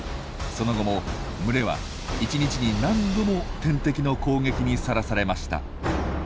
その後も群れは一日に何度も天敵の攻撃にさらされました。